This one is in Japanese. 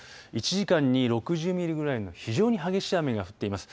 １時間に６０ミリくらいの非常に激しい雨が降っています。